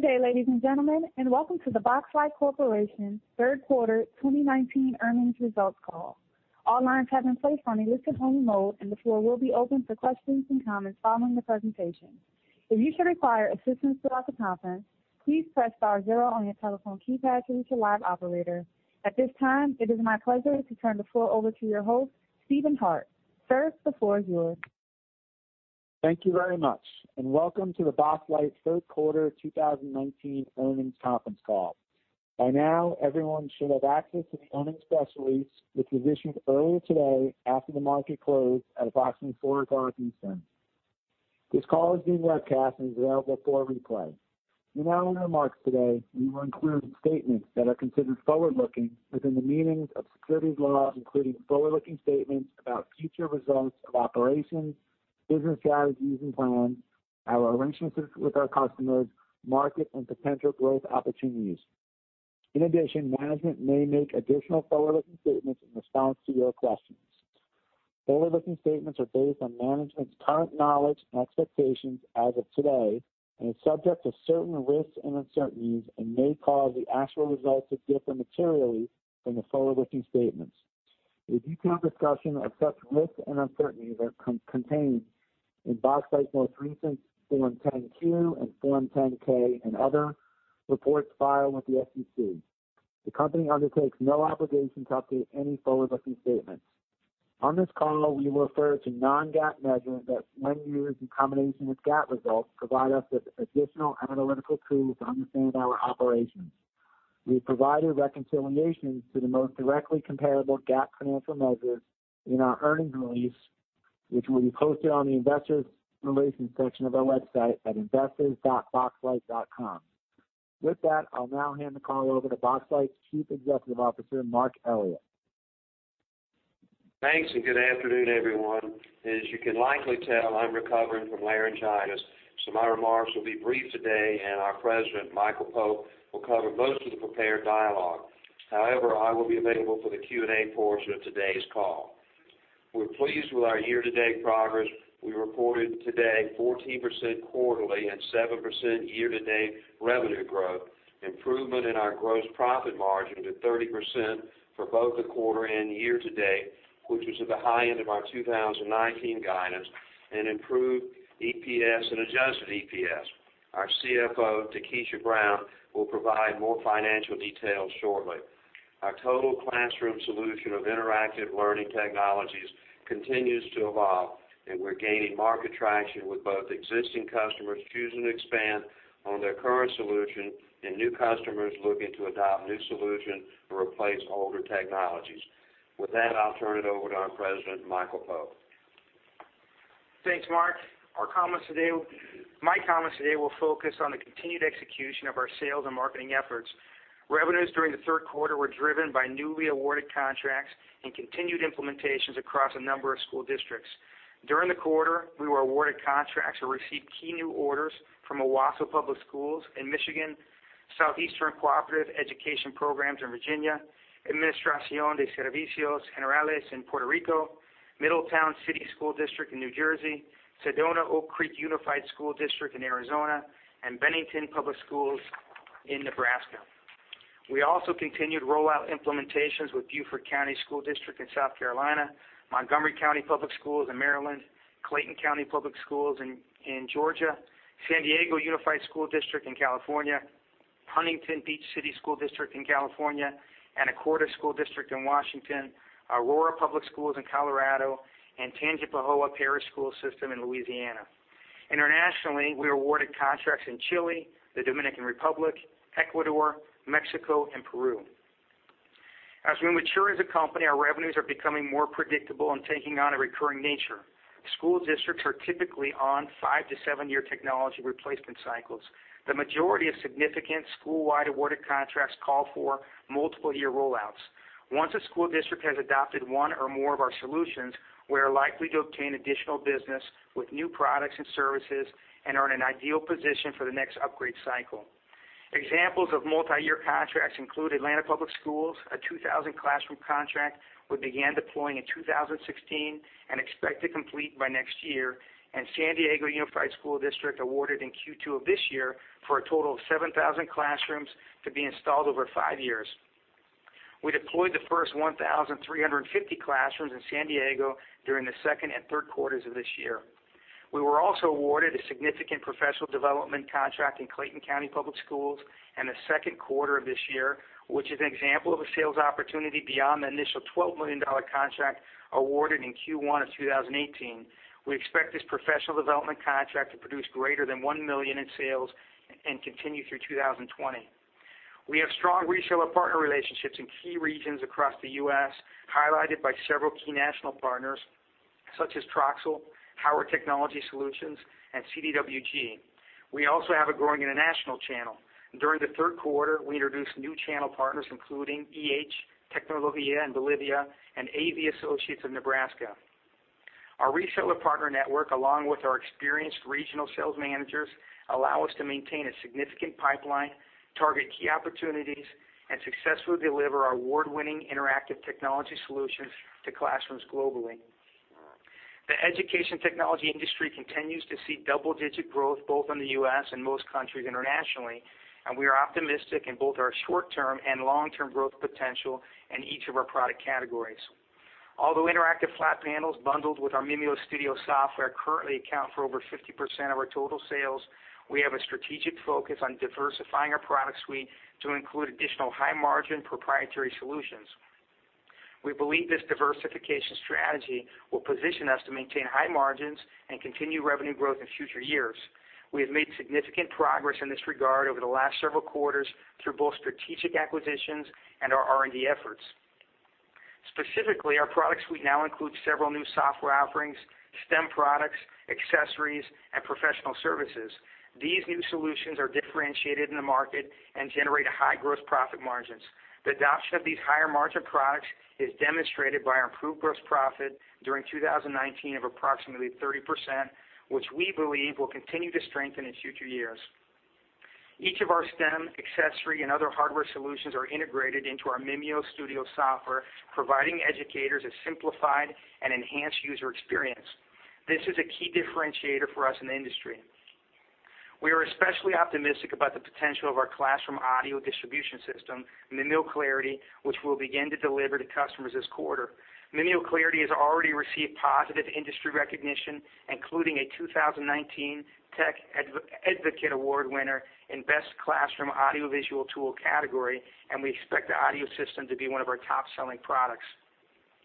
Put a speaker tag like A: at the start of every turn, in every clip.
A: Good day, ladies and gentlemen, and welcome to the Boxlight Corporation third quarter 2019 earnings results call. All lines have been placed on a listen-only mode, and the floor will be open for questions and comments following the presentation. If you should require assistance throughout the conference, please press star zero on your telephone keypad to reach a live operator. At this time, it is my pleasure to turn the floor over to your host, Stephen Hart. Sir, the floor is yours.
B: Thank you very much, and welcome to the Boxlight third quarter 2019 earnings conference call. By now, everyone should have access to the earnings press release, which was issued earlier today after the market closed at approximately 4:00 Eastern. This call is being webcast and is available for replay. In our remarks today, we will include statements that are considered forward-looking within the meanings of securities laws, including forward-looking statements about future results of operations, business strategies and plans, our relationships with our customers, market, and potential growth opportunities. In addition, management may make additional forward-looking statements in response to your questions. Forward-looking statements are based on management's current knowledge and expectations as of today, and are subject to certain risks and uncertainties, and may cause the actual results to differ materially from the forward-looking statements. A detailed discussion of such risks and uncertainties are contained in Boxlight's most recent Form 10-Q and Form 10-K, and other reports filed with the SEC. The company undertakes no obligation to update any forward-looking statements. On this call, we will refer to non-GAAP measures that, when used in combination with GAAP results, provide us with additional analytical tools to understand our operations. We've provided reconciliations to the most directly comparable GAAP financial measures in our earnings release, which will be posted on the investor relations section of our website at investors.boxlight.com. With that, I'll now hand the call over to Boxlight's Chief Executive Officer, Mark Elliott.
C: Thanks, good afternoon, everyone. As you can likely tell, I'm recovering from laryngitis, so my remarks will be brief today, and our President, Michael Pope, will cover most of the prepared dialogue. I will be available for the Q&A portion of today's call. We're pleased with our year-to-date progress. We reported today 14% quarterly and 7% year-to-date revenue growth, improvement in our gross profit margin to 30% for both the quarter and year to date, which is at the high end of our 2019 guidance, and improved EPS and adjusted EPS. Our CFO, Takesha Brown, will provide more financial details shortly. Our total classroom solution of interactive learning technologies continues to evolve, and we're gaining market traction with both existing customers choosing to expand on their current solution and new customers looking to adopt new solution or replace older technologies. With that, I'll turn it over to our President, Michael Pope.
D: Thanks, Mark. My comments today will focus on the continued execution of our sales and marketing efforts. Revenues during the third quarter were driven by newly awarded contracts and continued implementations across a number of school districts. During the quarter, we were awarded contracts or received key new orders from Owosso Public Schools in Michigan, Southeastern Cooperative Educational Programs in Virginia, Administración de Servicios Generales in Puerto Rico, Middletown City School District in New Jersey, Sedona-Oak Creek Unified School District in Arizona, and Bennington Public Schools in Nebraska. We also continued rollout implementations with Beaufort County School District in South Carolina, Montgomery County Public Schools in Maryland, Clayton County Public Schools in Georgia, San Diego Unified School District in California, Huntington Beach City School District in California, Anacortes School District in Washington, Aurora Public Schools in Colorado, and Tangipahoa Parish School System in Louisiana. Internationally, we were awarded contracts in Chile, the Dominican Republic, Ecuador, Mexico, and Peru. As we mature as a company, our revenues are becoming more predictable and taking on a recurring nature. School districts are typically on five-to-seven-year technology replacement cycles. The majority of significant school-wide awarded contracts call for multiple year rollouts. Once a school district has adopted one or more of our solutions, we are likely to obtain additional business with new products and services and are in an ideal position for the next upgrade cycle. Examples of multi-year contracts include Atlanta Public Schools, a 2,000-classroom contract we began deploying in 2016 and expect to complete by next year, and San Diego Unified School District awarded in Q2 of this year for a total of 7,000 classrooms to be installed over five years. We deployed the first 1,350 classrooms in San Diego during the second and third quarters of this year. We were also awarded a significant professional development contract in Clayton County Public Schools in the second quarter of this year, which is an example of a sales opportunity beyond the initial $12 million contract awarded in Q1 of 2018. We expect this professional development contract to produce greater than $1 million in sales and continue through 2020. We have strong reseller partner relationships in key regions across the U.S., highlighted by several key national partners such as Troxell, Howard Technology Solutions, and CDWG. We also have a growing international channel. During the third quarter, we introduced new channel partners, including EH Tecnología in Bolivia and AV Associates in Nebraska. Our reseller partner network, along with our experienced regional sales managers, allow us to maintain a significant pipeline, target key opportunities, and successfully deliver our award-winning interactive technology solutions to classrooms globally. The education technology industry continues to see double-digit growth both in the U.S. and most countries internationally. We are optimistic in both our short-term and long-term growth potential in each of our product categories. Although interactive flat panels bundled with our MimioStudio software currently account for over 50% of our total sales, we have a strategic focus on diversifying our product suite to include additional high-margin proprietary solutions. We believe this diversification strategy will position us to maintain high margins and continue revenue growth in future years. We have made significant progress in this regard over the last several quarters through both strategic acquisitions and our R&D efforts. Specifically, our product suite now includes several new software offerings, STEM products, accessories, and professional services. These new solutions are differentiated in the market and generate high gross profit margins. The adoption of these higher-margin products is demonstrated by our improved gross profit during 2019 of approximately 30%, which we believe will continue to strengthen in future years. Each of our STEM accessory and other hardware solutions are integrated into our MimioStudio software, providing educators a simplified and enhanced user experience. This is a key differentiator for us in the industry. We are especially optimistic about the potential of our classroom audio distribution system, MimioClarity, which we'll begin to deliver to customers this quarter. MimioClarity has already received positive industry recognition, including a 2019 Tech Edvocate Award winner in Best Classroom Audiovisual Tool category, and we expect the audio system to be one of our top-selling products.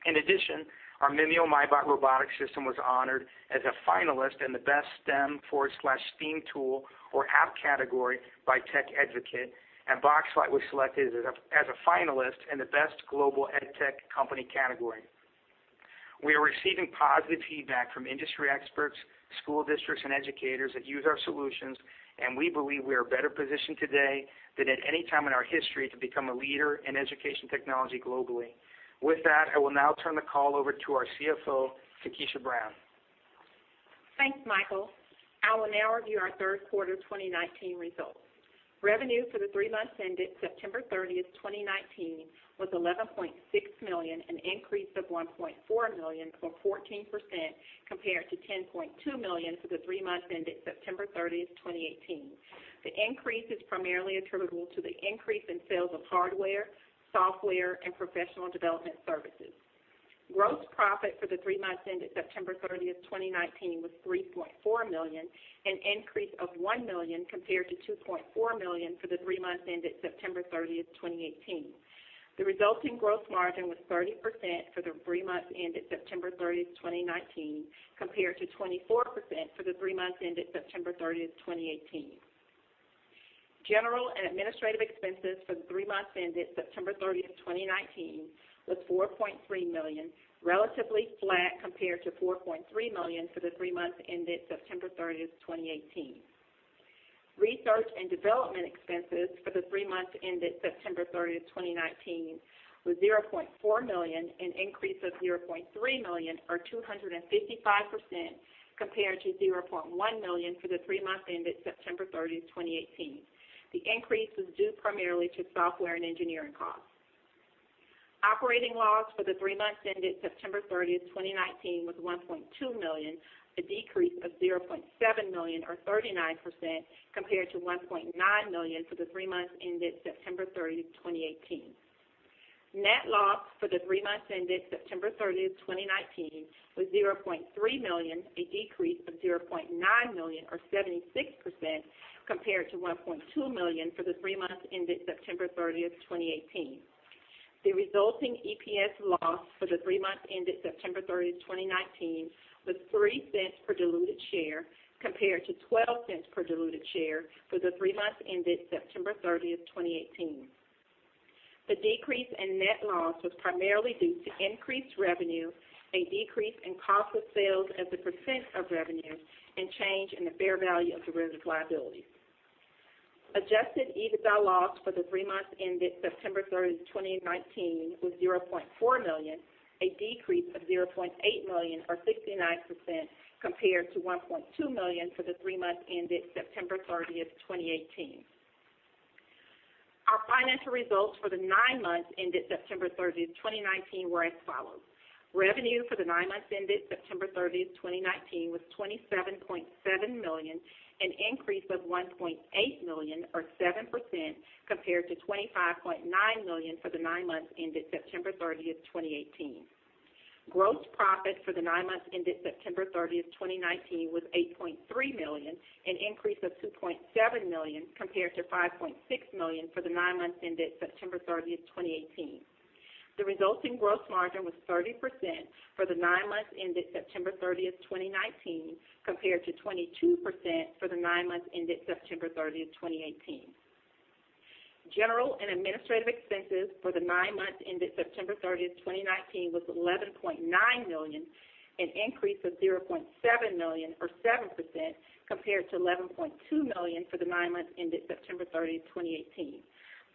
D: In addition, our Mimio MyBot robotic system was honored as a finalist in the Best STEM/STEAM Tool or App category by Tech Advocate. Boxlight was selected as a finalist in the Best Global EdTech Company category. We are receiving positive feedback from industry experts, school districts, and educators that use our solutions, and we believe we are better positioned today than at any time in our history to become a leader in education technology globally. With that, I will now turn the call over to our CFO, Takesha Brown.
E: Thanks, Michael. I will now review our third quarter 2019 results. Revenue for the three months ended September 30th, 2019 was $11.6 million, an increase of $1.4 million or 14% compared to $10.2 million for the three months ended September 30th, 2018. The increase is primarily attributable to the increase in sales of hardware, software, and professional development services. Gross profit for the three months ended September 30th, 2019 was $3.4 million, an increase of $1 million compared to $2.4 million for the three months ended September 30th, 2018. The resulting gross margin was 30% for the three months ended September 30th, 2019, compared to 24% for the three months ended September 30th, 2018. General and administrative expenses for the three months ended September 30th, 2019 was $4.3 million, relatively flat compared to $4.3 million for the three months ended September 30th, 2018. Research and development expenses for the three months ended September 30th, 2019 was $0.4 million, an increase of $0.3 million or 255%, compared to $0.1 million for the three months ended September 30th, 2018. The increase was due primarily to software and engineering costs. Operating loss for the three months ended September 30th, 2019 was $1.2 million, a decrease of $0.7 million or 39%, compared to $1.9 million for the three months ended September 30th, 2018. Net loss for the three months ended September 30th, 2019 was $0.3 million, a decrease of $0.9 million or 76%, compared to $1.2 million for the three months ended September 30th, 2018. The resulting EPS loss for the three months ended September 30th, 2019 was $0.03 per diluted share, compared to $0.12 per diluted share for the three months ended September 30th, 2018. The decrease in net loss was primarily due to increased revenue, a decrease in cost of sales as a percent of revenue, and change in the fair value of derivatives liabilities. Adjusted EBITDA loss for the three months ended September 30th, 2019 was $0.4 million, a decrease of $0.8 million or 69%, compared to $1.2 million for the three months ended September 30th, 2018. Our financial results for the nine months ended September 30th, 2019 were as follows. Revenue for the nine months ended September 30th, 2019 was $27.7 million, an increase of $1.8 million or 7% compared to $25.9 million for the nine months ended September 30th, 2018. Gross profit for the nine months ended September 30th, 2019 was $8.3 million, an increase of $2.7 million compared to $5.6 million for the nine months ended September 30th, 2018. The resulting gross margin was 30% for the nine months ended September 30th, 2019, compared to 22% for the nine months ended September 30th, 2018. General and Administrative expenses for the nine months ended September 30th, 2019 was $11.9 million, an increase of $0.7 million or 7% compared to $11.2 million for the nine months ended September 30th, 2018.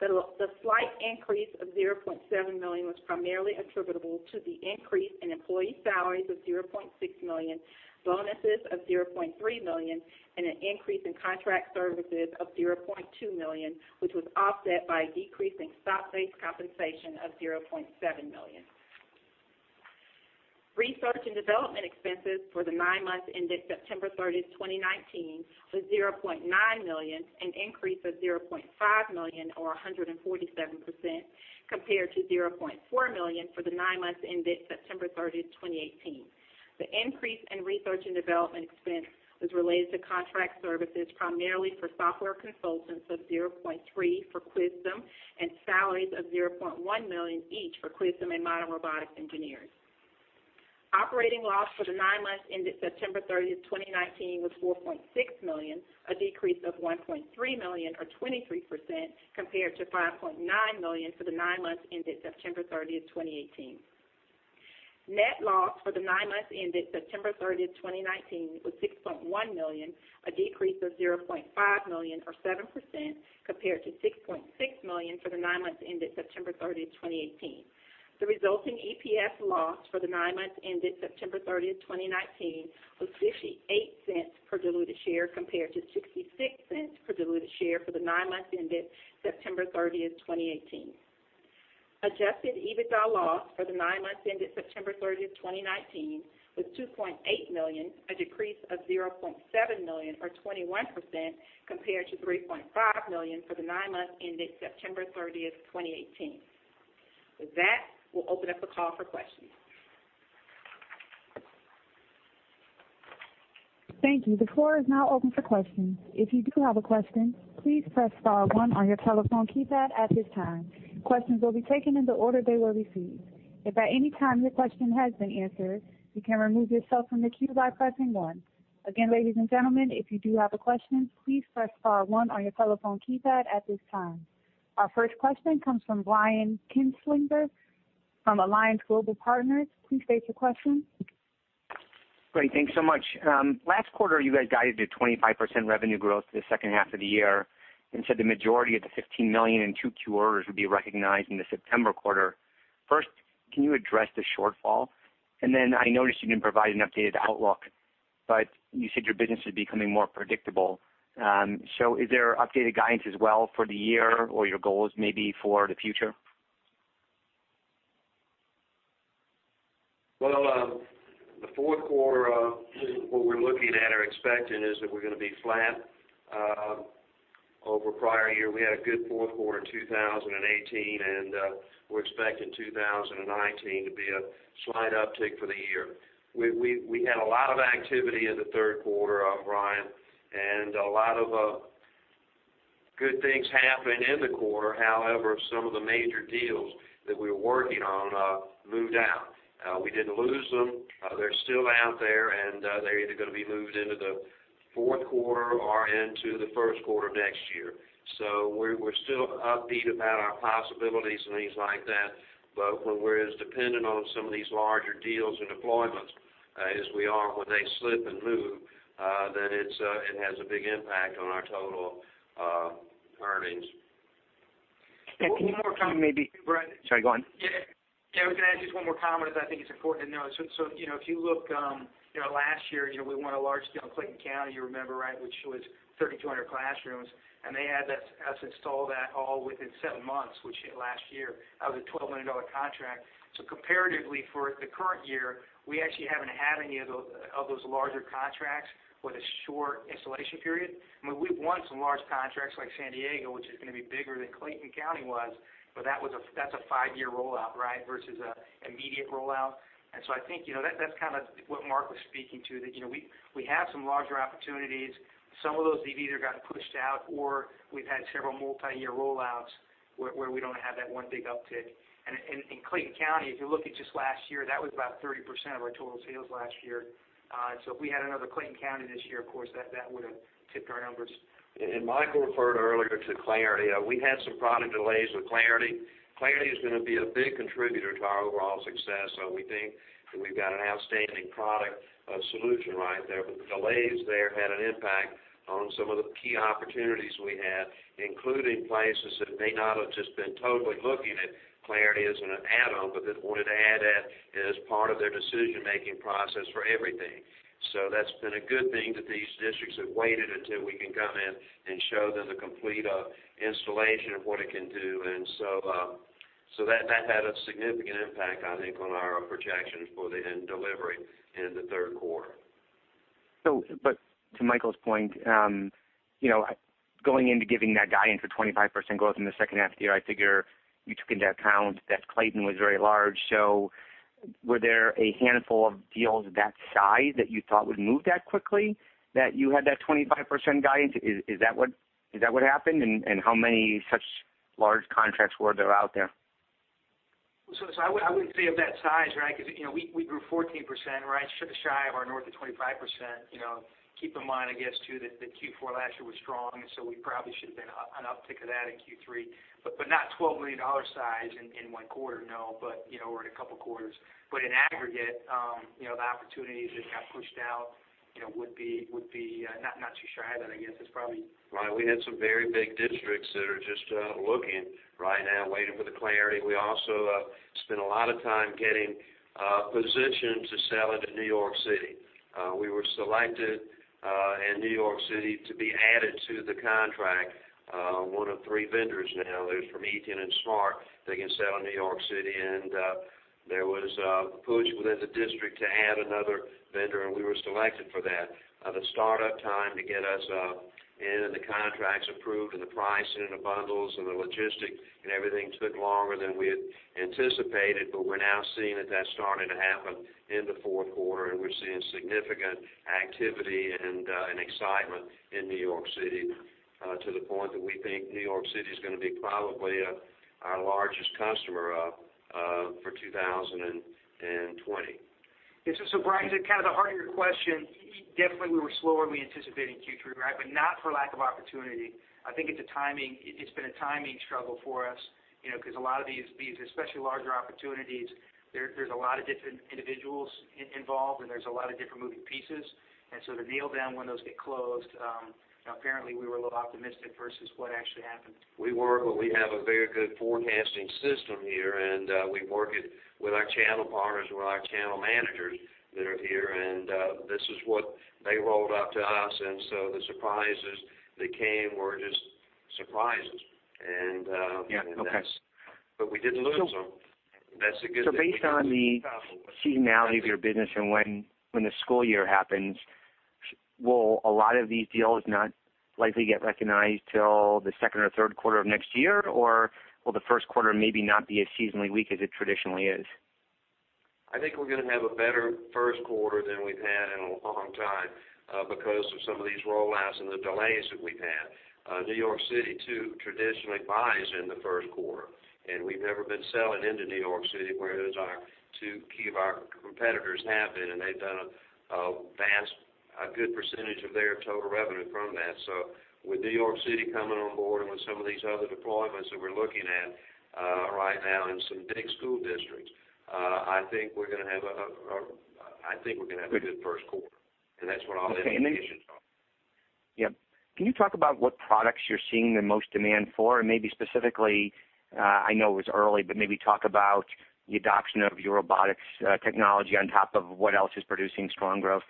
E: The slight increase of $0.7 million was primarily attributable to the increase in employee salaries of $0.6 million and bonuses of $0.3 million, and an increase in contract services of $0.2 million, which was offset by a decrease in stock-based compensation of $0.7 million. Research and Development expenses for the nine months ended September 30th, 2019, was $0.9 million, an increase of $0.5 million or 147%, compared to $0.4 million for the nine months ended September 30th, 2018. The increase in research and development expense was related to contract services, primarily for software consultants of $0.3 for Qwizdom and salaries of $0.1 million each for Qwizdom and Modern Robotics, Inc.. Operating loss for the nine months ended September 30th, 2019, was $4.6 million, a decrease of $1.3 million or 23%, compared to $5.9 million for the nine months ended September 30th, 2018. Net loss for the nine months ended September 30th, 2019, was $6.1 million, a decrease of $0.5 million or 7%, compared to $6.6 million for the nine months ended September 30th, 2018. The resulting EPS loss for the nine months ended September 30th, 2019, was $0.58 per diluted share compared to $0.66 per diluted share for the nine months ended September 30th, 2018. Adjusted EBITDA loss for the nine months ended September 30th, 2019, was $2.8 million, a decrease of $0.7 million or 21%, compared to $3.5 million for the nine months ended September 30th, 2018. With that, we'll open up the call for questions.
A: Thank you. The floor is now open for questions. If you do have a question, please press star one on your telephone keypad at this time. Questions will be taken in the order they were received. If at any time your question has been answered, you can remove yourself from the queue by pressing one. Again, ladies and gentlemen, if you do have a question, please press star one on your telephone keypad at this time. Our first question comes from Brian Kinstlinger from Alliance Global Partners. Please state your question.
F: Great. Thanks so much. Last quarter, you guys guided to 25% revenue growth for the H2 of the year and said the majority of the $15.2 million 2Q orders would be recognized in the September quarter. First, can you address the shortfall? I noticed you didn't provide an updated outlook, but you said your business is becoming more predictable. Is there updated guidance as well for the year or your goals maybe for the future?
C: Well, the fourth quarter, what we're looking at or expecting is that we're going to be flat over prior year. We had a good fourth quarter in 2018, and we're expecting 2019 to be a slight uptick for the year. We had a lot of activity in the third quarter, Brian, and a lot of good things happened in the quarter. However, some of the major deals that we were working on moved out. We didn't lose them. They're still out there, and they're either going to be moved into the fourth quarter or into the first quarter of next year. We're still upbeat about our possibilities and things like that. But when we're as dependent on some of these larger deals and deployments as we are, when they slip and move, then it has a big impact on our total earnings.
D: One more comment maybe. Brian.
F: Sorry, go on.
D: Yeah. If I could add just one more comment, I think it's important to note. If you look last year, we won a large deal in Clayton County, you remember, right, which was 3,200 classrooms. They had us install that all within seven months, which hit last year. That was a $12 million contract. Comparatively for the current year, we actually haven't had any of those larger contracts with a short installation period. We've won some large contracts like San Diego, which is going to be bigger than Clayton County was, but that's a five-year rollout right versus an immediate rollout. I think that's kind of what Mark was speaking to, that we have some larger opportunities. Some of those have either gotten pushed out or we've had several multi-year rollouts where we don't have that one big uptick. In Clayton County, if you look at just last year, that was about 30% of our total sales last year. If we had another Clayton County this year, of course, that would've tipped our numbers.
C: Michael referred earlier to MimioClarity. We had some product delays with MimioClarity. MimioClarity is going to be a big contributor to our overall success, so we think that we've got an outstanding product solution right there. The delays there had an impact on some of the key opportunities we had, including places that may not have just been totally looking at MimioClarity as an add-on, but that wanted to add that as part of their decision-making process for everything. That's been a good thing that these districts have waited until we can come in and show them the complete installation of what it can do. That had a significant impact, I think, on our projections for the end delivery in the third quarter.
F: To Michael's point, going into giving that guidance for 25% growth in the second half of the year, I figure you took into account that Clayton was very large. Were there a handful of deals that size that you thought would move that quickly, that you had that 25% guidance? Is that what happened? How many such large contracts were there out there?
D: I wouldn't say of that size, right. We grew 14%, right. Just shy of our north of 25%. Keep in mind, I guess, too, that Q4 last year was strong, we probably should have been an uptick of that in Q3. Not $12 million size in one quarter, no, but over a couple of quarters. In aggregate, the opportunities that got pushed out. Would be not too shy, but I guess it's probably.
C: Right. We had some very big districts that are just looking right now, waiting for the clarity. We also spent a lot of time getting positioned to sell into New York City. We were selected in New York City to be added to the contract, one of three vendors now. There's from Eton and SMART that can sell in New York City. There was a push within the district to add another vendor. We were selected for that. The startup time to get us in, and the contracts approved, and the pricing, and the bundles, and the logistics and everything took longer than we had anticipated. We're now seeing that that's starting to happen in the fourth quarter, and we're seeing significant activity and excitement in New York City to the point that we think New York City is going to be probably our largest customer for 2020.
D: It's a surprise at kind of the heart of your question. Definitely we were slower than we anticipated in Q3, not for lack of opportunity. I think it's been a timing struggle for us, because a lot of these, especially larger opportunities, there's a lot of different individuals involved, there's a lot of different moving pieces. The nail down when those get closed, apparently we were a little optimistic versus what actually happened.
C: We have a very good forecasting system here, and we work it with our channel partners, with our channel managers that are here. This is what they rolled out to us, and so the surprises that came were just surprises.
F: Yeah. Okay.
C: We didn't lose them. That's the good news.
F: Based on the seasonality of your business and when the school year happens, will a lot of these deals not likely get recognized till the second or third quarter of next year? Will the first quarter maybe not be as seasonally weak as it traditionally is?
C: I think we're going to have a better first quarter than we've had in a long time because of some of these roll-outs and the delays that we've had. New York City, too, traditionally buys in the first quarter, and we've never been selling into New York City, whereas our two key competitors have been, and they've done a good percentage of their total revenue from that. With New York City coming on board and with some of these other deployments that we're looking at right now in some big school districts, I think we're going to have a good first quarter, and that's what all the indications are.
F: Yeah. Can you talk about what products you're seeing the most demand for? Maybe specifically, I know it's early, but maybe talk about the adoption of your robotics technology on top of what else is producing strong growth.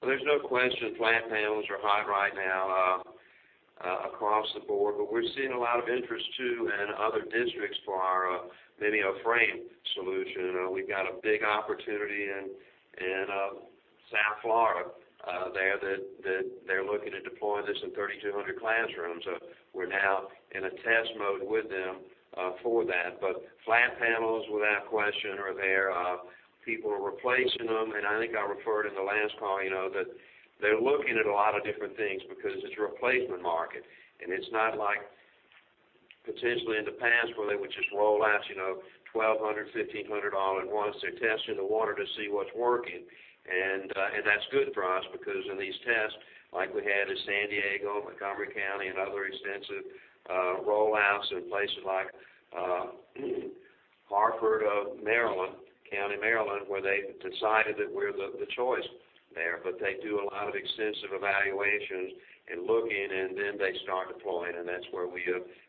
C: Well, there's no question flat panels are hot right now across the board. We're seeing a lot of interest, too, in other districts for our MimioFrame solution. We've got a big opportunity in South Florida there that they're looking to deploy this in 3,200 classrooms. We're now in a test mode with them for that. Flat panels, without question, are there. People are replacing them, and I think I referred in the last call that they're looking at a lot of different things because it's a replacement market, and it's not like potentially in the past where they would just roll out 1,200, 1,500 at once. They're testing the water to see what's working. That's good for us because in these tests like we had in San Diego, Montgomery County, and other extensive roll-outs in places like Harford County, Maryland, where they decided that we're the choice there. They do a lot of extensive evaluations and looking, and then they start deploying, and that's where we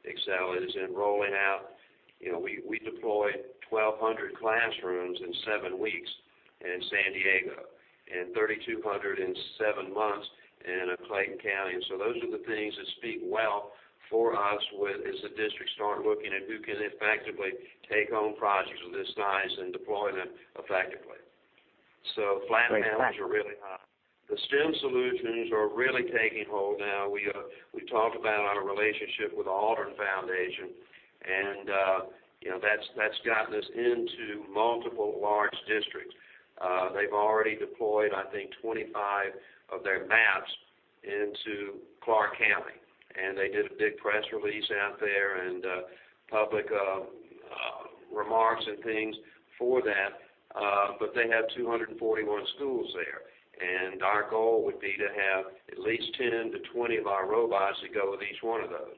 C: excel is in rolling out. We deployed 1,200 classrooms in seven weeks in San Diego and 3,200 in seven months in Clayton County. Those are the things that speak well for us as the districts start looking at who can effectively take on projects of this size and deploy them effectively. Flat panels are really hot. The STEM solutions are really taking hold now. We talked about our relationship with the Aldrin Family Foundation, and that's gotten us into multiple large districts. They've already deployed, I think, 25 of their maps into Clark County, and they did a big press release out there and public remarks and things for that. They have 241 schools there, and our goal would be to have at least 10-20 of our robots that go with each one of those.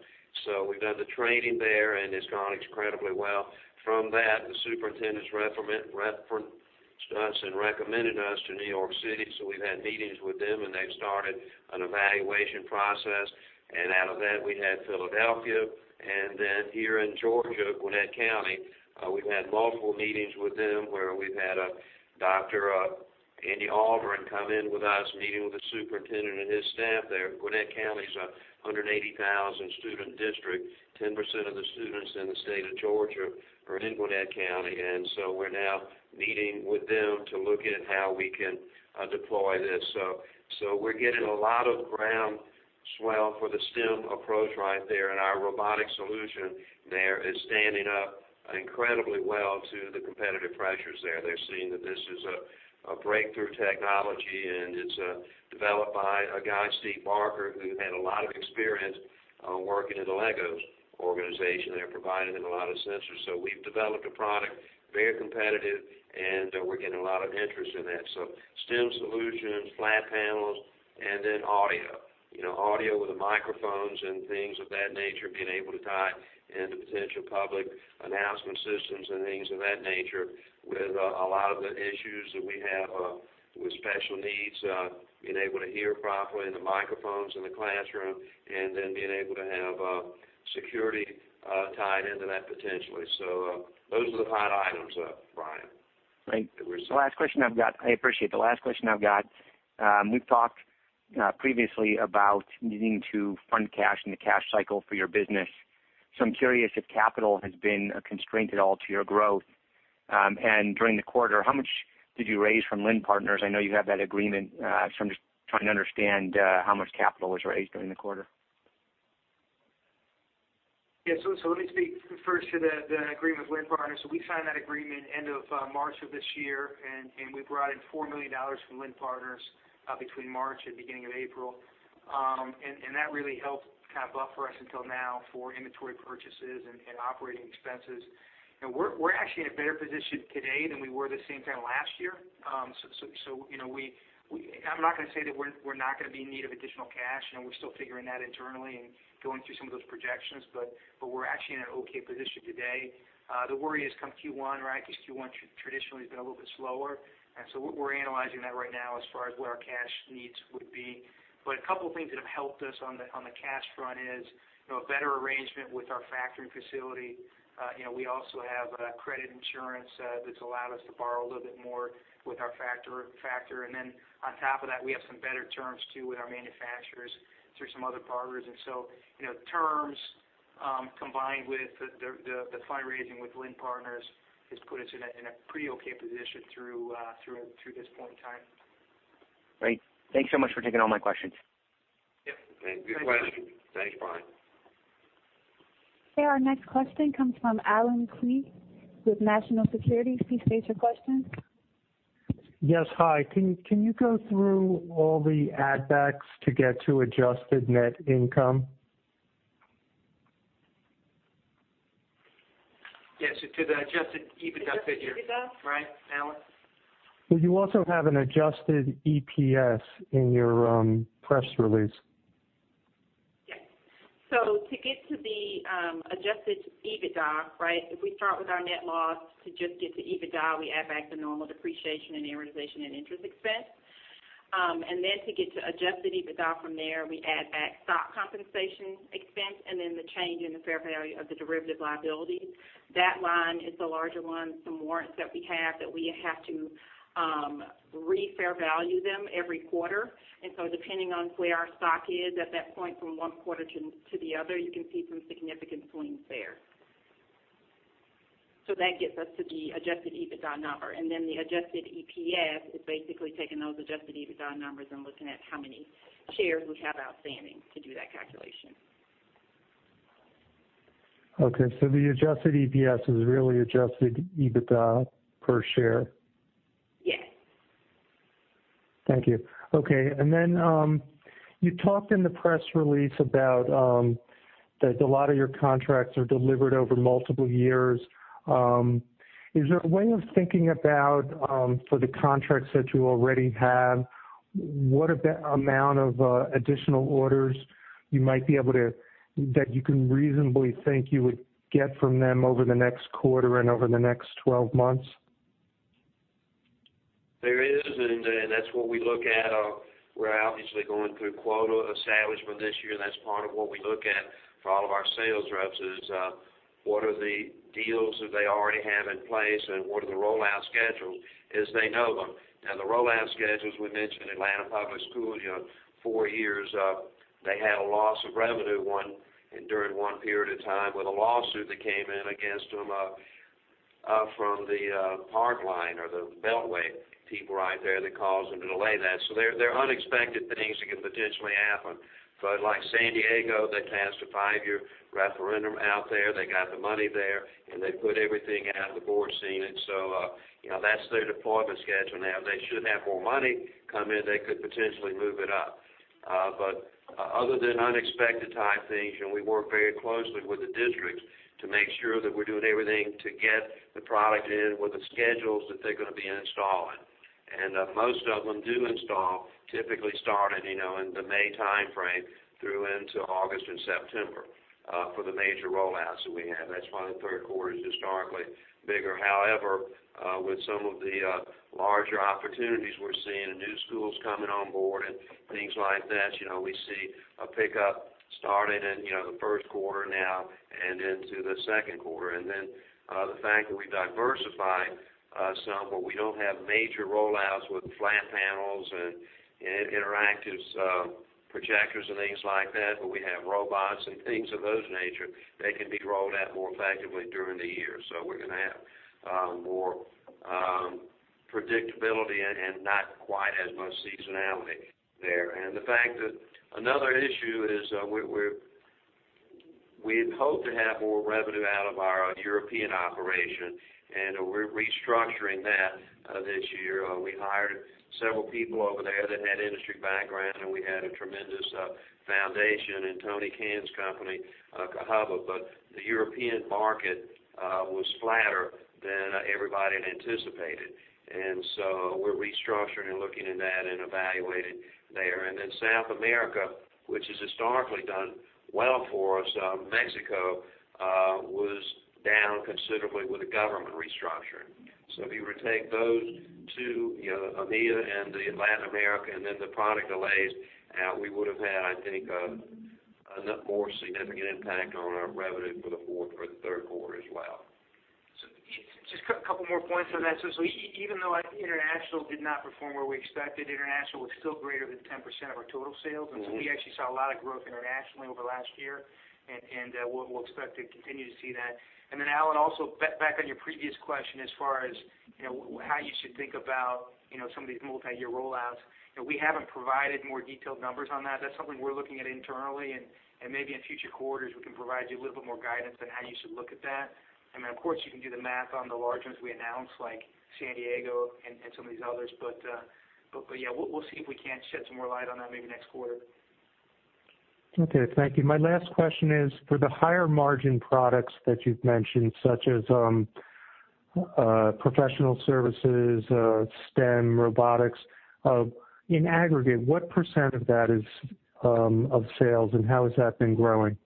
C: We've done the training there, and it's gone incredibly well. From that, the superintendent's referenced us and recommended us to New York City. Out of that, we had Philadelphia, and then here in Georgia, Gwinnett County. We've had multiple meetings with them where we've had Dr. Andy Aldrin come in with us, meeting with the superintendent and his staff there. Gwinnett County is a 180,000-student district. 10% of the students in the state of Georgia are in Gwinnett County. We're now meeting with them to look at how we can deploy this. We're getting a lot of groundswell for the STEM approach right there, and our robotic solution there is standing up incredibly well to the competitive pressures there. They're seeing that this is a breakthrough technology, and it's developed by a guy, Steve Barker, who had a lot of experience working in the LEGO organization. They're providing him a lot of sensors. We've developed a product, very competitive, and we're getting a lot of interest in that. STEM solutions, flat panels, and then audio. Audio with the microphones and things of that nature, being able to tie into potential public announcement systems and things of that nature with a lot of the issues that we have with special needs, being able to hear properly the microphones in the classroom, and then being able to have security tied into that potentially. Those are the hot items, Brian.
F: Great. I appreciate. The last question I've got, we've talked previously about needing to fund cash in the cash cycle for your business. I'm curious if capital has been a constraint at all to your growth. During the quarter, how much did you raise from The Lind Partners? I know you have that agreement, I'm just trying to understand how much capital was raised during the quarter.
D: Yeah. Let me speak first to the agreement with The Lind Partners. We signed that agreement end of March of this year, and we brought in $4 million from The Lind Partners between March and beginning of April. That really helped buffer us until now for inventory purchases and operating expenses. We're actually in a better position today than we were the same time last year. I'm not going to say that we're not going to be in need of additional cash, we're still figuring that internally and going through some of those projections, but we're actually in an okay position today. The worry is come Q1, right? Because Q1 traditionally has been a little bit slower, and so we're analyzing that right now as far as what our cash needs would be. A couple things that have helped us on the cash front is a better arrangement with our factory facility. We also have credit insurance that's allowed us to borrow a little bit more with our factor. On top of that, we have some better terms too with our manufacturers through some other partners. Terms combined with the fundraising with The Lind Partners has put us in a pretty okay position through this point in time.
F: Great. Thanks so much for taking all my questions.
D: Yep.
C: Good questions. Thanks, Brian.
A: Our next question comes from Allen Klee with National Securities. Please state your question.
G: Yes, hi. Can you go through all the add backs to get to adjusted net income?
D: Yes. To the adjusted EBITDA figure-
E: Adjusted EBITDA?
D: Right, Allen?
G: Well, you also have an adjusted EPS in your press release.
E: Yes. To get to the adjusted EBITDA, right? If we start with our net loss, to just get to EBITDA, we add back the normal depreciation and amortization and interest expense. To get to adjusted EBITDA from there, we add back stock compensation expense and then the change in the fair value of the derivative liability. That line is the larger one, some warrants that we have that we have to re-fair value them every quarter. Depending on where our stock is at that point from one quarter to the other, you can see some significant swings there. That gets us to the adjusted EBITDA number. The adjusted EPS is basically taking those adjusted EBITDA numbers and looking at how many shares we have outstanding to do that calculation.
G: Okay. The adjusted EPS is really adjusted EBITDA per share?
E: Yes.
G: Thank you. Okay. You talked in the press release about that a lot of your contracts are delivered over multiple years. Is there a way of thinking about, for the contracts that you already have, what are the amount of additional orders that you can reasonably think you would get from them over the next quarter and over the next 12 months?
C: There is, and that's what we look at. We're obviously going through quota establishment this year. That's part of what we look at for all of our sales reps is, what are the deals that they already have in place, and what are the rollout schedules as they know them. The rollout schedules we mentioned Atlanta Public Schools, four years. They had a loss of revenue during one period of time with a lawsuit that came in against them from the park line or the beltway people right there that caused them to delay that. There are unexpected things that can potentially happen. Like San Diego, they passed a five-year referendum out there. They got the money there, and they put everything out, the board's seen it. That's their deployment schedule. If they should have more money come in, they could potentially move it up. Other than unexpected type things, and we work very closely with the districts to make sure that we're doing everything to get the product in with the schedules that they're going to be installing. Most of them do install, typically starting in the May timeframe through into August and September, for the major rollouts that we have. That's why the third quarter is historically bigger. However, with some of the larger opportunities we're seeing and new schools coming on board and things like that, we see a pickup starting in the first quarter now and into the second quarter. The fact that we diversified some, but we don't have major rollouts with flat panels and interactives, projectors and things like that, but we have robots and things of those nature that can be rolled out more effectively during the year. We're going to have more predictability and not quite as much seasonality there. Another issue is, we had hoped to have more revenue out of our European operation, we're restructuring that this year. We hired several people over there that had industry background, and we had a tremendous foundation in Tony Cann's company, Cohuba. The European market was flatter than everybody had anticipated. We're restructuring and looking in that and evaluating there. South America, which has historically done well for us, Mexico was down considerably with the government restructuring. If you were to take those two, EMEA and the Latin America, and then the product delays, we would've had, I think, a more significant impact on our revenue for the third quarter as well.
D: Just a couple more points on that. Even though international did not perform where we expected, international was still greater than 10% of our total sales. We actually saw a lot of growth internationally over the last year, and we'll expect to continue to see that. Then, Allen, also back on your previous question as far as how you should think about some of these multi-year roll-outs. We haven't provided more detailed numbers on that. That's something we're looking at internally, and maybe in future quarters we can provide you a little bit more guidance on how you should look at that. Of course, you can do the math on the large ones we announced, like San Diego and some of these others. Yeah, we'll see if we can't shed some more light on that maybe next quarter.
G: Okay, thank you. My last question is, for the higher margin products that you've mentioned, such as professional services, STEM, robotics, in aggregate, what percent of that is of sales and how has that been growing?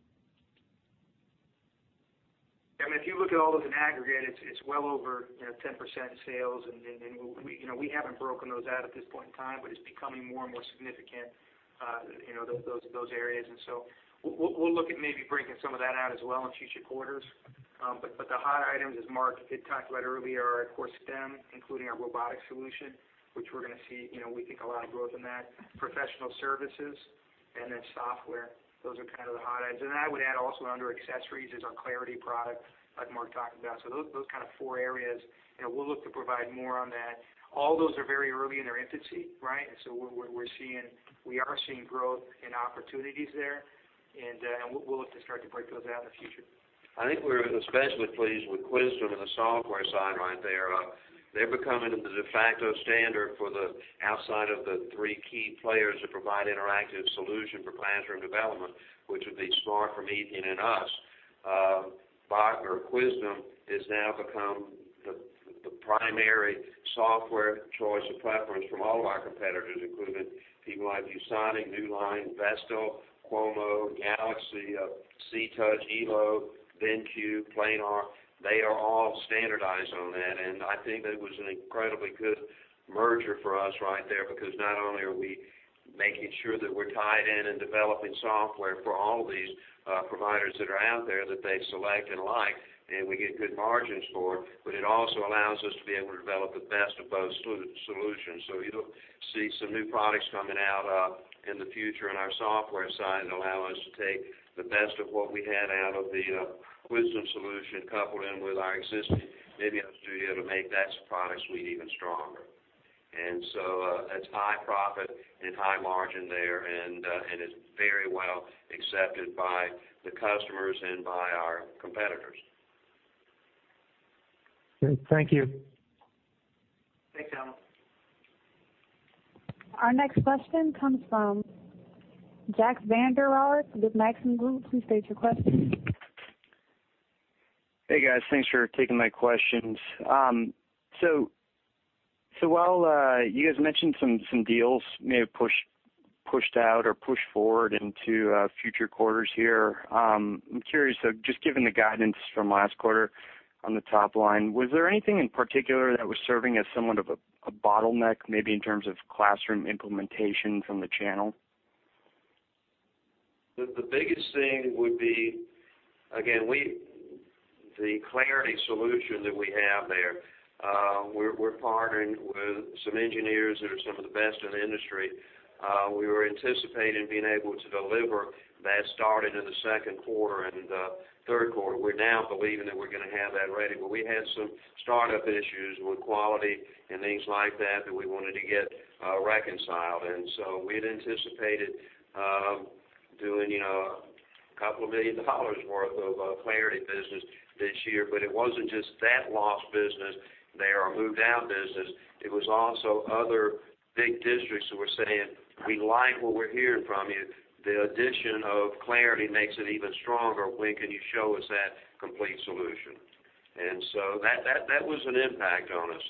D: If you look at all those in aggregate, it's well over 10% of sales, and we haven't broken those out at this point in time, but it's becoming more and more significant, those areas. We'll look at maybe breaking some of that out as well in future quarters. The hot items, as Mark did talk about earlier, are of course STEM, including our robotic solution, which we're going to see, we think, a lot of growth in that. Professional services and then software, those are kind of the hot items. I would add also under accessories is our MimioClarity product that Mark talked about. Those kind of four areas, we'll look to provide more on that. All those are very early in their infancy, right? We are seeing growth and opportunities there, and we'll look to start to break those out in the future.
C: I think we're especially pleased with Qwizdom and the software side right there. They're becoming the de facto standard for the outside of the three key players that provide interactive solution for classroom development, which would be SMART, Promethean, and us. Qwizdom has now become the primary software choice of platforms from all of our competitors, including people like ViewSonic, Newline, Vestel, Qomo, Galaxy, CTOUCH, Elo, BenQ, Planar. They are all standardized on that, and I think that was an incredibly good merger for us right there, because not only are we making sure that we're tied in and developing software for all of these providers that are out there that they select and like, and we get good margins for, but it also allows us to be able to develop the best of both solutions. You'll see some new products coming out in the future on our software side that allow us to take the best of what we had out of the Qwizdom solution, coupled in with our existing MimioStudio to make that product suite even stronger. It's high profit and high margin there, and it's very well accepted by the customers and by our competitors.
G: Okay. Thank you.
C: Thanks, Allen.
A: Our next question comes from Jack Vander Aarde with Maxim Group. Please state your question.
H: Hey, guys. Thanks for taking my questions. While you guys mentioned some deals may have pushed out or pushed forward into future quarters here, I'm curious, just given the guidance from last quarter on the top line, was there anything in particular that was serving as somewhat of a bottleneck, maybe in terms of classroom implementation from the channel?
C: The biggest thing would be, again, the MimioClarity solution that we have there. We're partnering with some engineers that are some of the best in the industry. We were anticipating being able to deliver that starting in the second quarter and third quarter. We're now believing that we're going to have that ready. We had some startup issues with quality and things like that that we wanted to get reconciled. We had anticipated doing $2 million worth of MimioClarity business this year. It wasn't just that lost business there or moved-out business. It was also other big districts who were saying, "We like what we're hearing from you. The addition of MimioClarity makes it even stronger. When can you show us that complete solution?" That was an impact on us,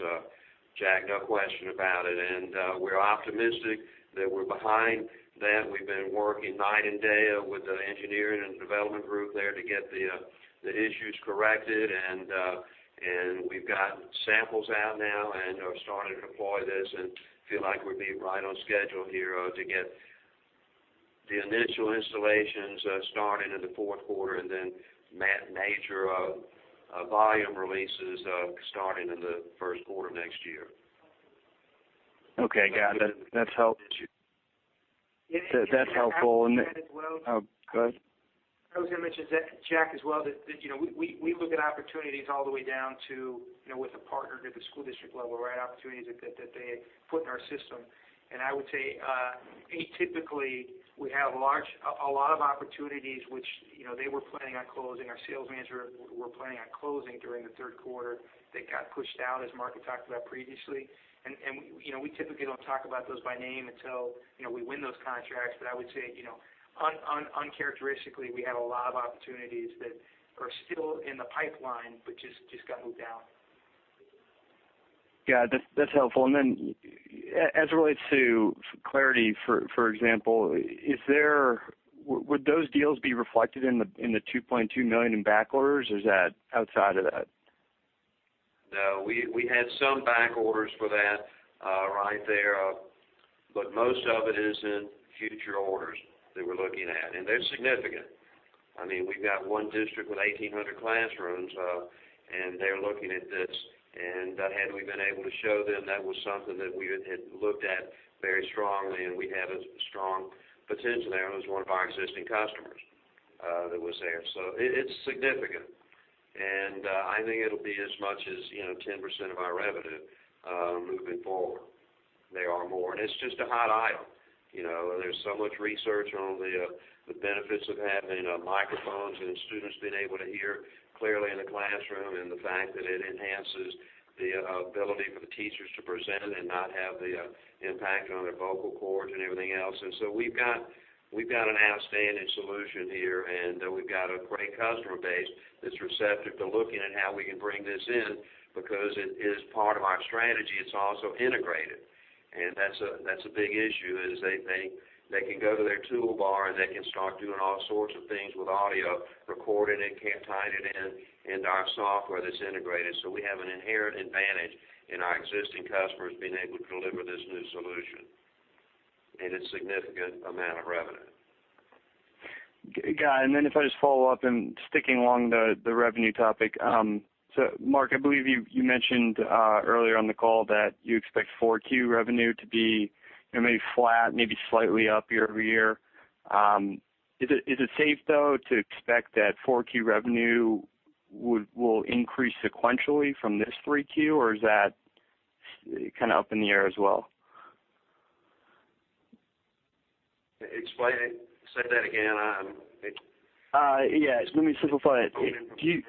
C: Jack, no question about it, and we're optimistic that we're behind that. We've been working night and day with the engineering and development group there to get the issues corrected, and we've gotten samples out now and are starting to deploy this and feel like we'll be right on schedule here to get the initial installations starting in the fourth quarter, and then major volume releases starting in the first quarter of next year.
H: Okay, got it. That's helpful.
D: Can I add to that as well?
H: Go ahead.
D: I was going to mention, Jack, as well, that we look at opportunities all the way down to with a partner to the school district level, right? Opportunities that they put in our system. I would say, atypically, we have a lot of opportunities which they were planning on closing, our sales manager were planning on closing during the third quarter that got pushed out, as Mark had talked about previously. We typically don't talk about those by name until we win those contracts. I would say, uncharacteristically, we had a lot of opportunities that are still in the pipeline but just got moved out.
H: Yeah, that's helpful. As it relates to MimioClarity, for example, would those deals be reflected in the $2.2 million in back orders, or is that outside of that?
C: We had some back orders for that right there, but most of it is in future orders that we're looking at, and they're significant. We've got one district with 1,800 classrooms, and they're looking at this, and had we been able to show them, that was something that we had looked at very strongly, and we had a strong potential there, and it was one of our existing customers that was there. It's significant. I think it'll be as much as 10% of our revenue moving forward. They are more, and it's just a hot item. There's so much research on the benefits of having microphones and students being able to hear clearly in the classroom, and the fact that it enhances the ability for the teachers to present and not have the impact on their vocal cords and everything else. We've got an outstanding solution here, and we've got a great customer base that's receptive to looking at how we can bring this in, because it is part of our strategy. It's also integrated. That's a big issue, is they can go to their toolbar, and they can start doing all sorts of things with audio, recording it, tying it into our software that's integrated. We have an inherent advantage in our existing customers being able to deliver this new solution. It's a significant amount of revenue.
H: Got it. If I just follow up and sticking along the revenue topic. Mark, I believe you mentioned earlier on the call that you expect 4Q revenue to be maybe flat, maybe slightly up year-over-year. Is it safe, though, to expect that 4Q revenue will increase sequentially from this 3Q, or is that kind of up in the air as well?
C: Say that again.
H: Yeah. Let me simplify it.
C: Go ahead.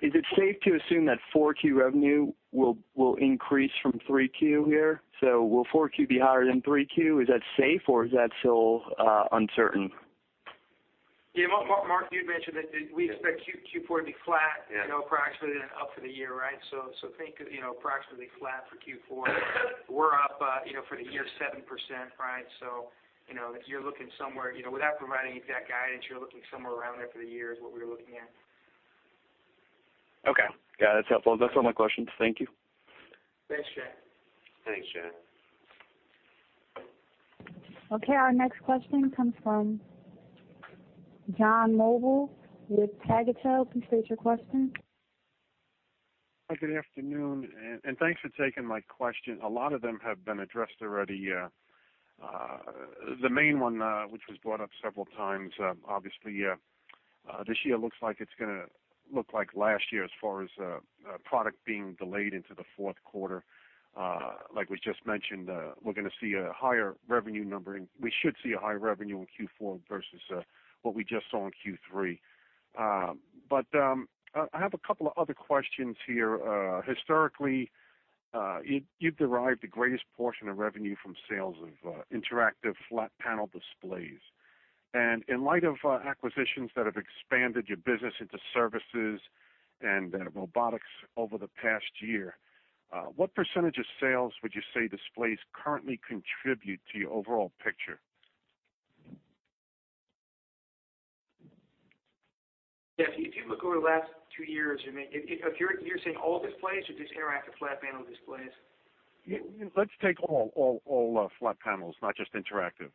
H: Is it safe to assume that 4Q revenue will increase from 3Q here? Will 4Q be higher than 3Q? Is that safe, or is that still uncertain?
D: Yeah, Mark, you had mentioned that we expect Q4 to be flat-
C: Yeah.
D: Approximately and up for the year. Think approximately flat for Q4. We're up for the year 7%. If you're looking somewhere, without providing you with that guidance, you're looking somewhere around there for the year is what we were looking at.
H: Okay. Got it. That's helpful. That's all my questions. Thank you.
D: Thanks, Jack.
C: Thanks, Jack.
A: Okay, our next question comes from John Nobile with Taglich Brothers. Please state your question.
I: Good afternoon. Thanks for taking my question. A lot of them have been addressed already. The main one which was brought up several times, obviously, this year looks like it's going to look like last year as far as product being delayed into the fourth quarter. Like we just mentioned, we're going to see a higher revenue number. We should see a higher revenue in Q4 versus what we just saw in Q3. I have a couple of other questions here. Historically, you've derived the greatest portion of revenue from sales of interactive flat panel displays. In light of acquisitions that have expanded your business into services and robotics over the past year, what percentage of sales would you say displays currently contribute to your overall picture?
D: Yeah. If you look over the last two years, you're saying all displays or just interactive flat panel displays?
I: Let's take all flat panels, not just interactive.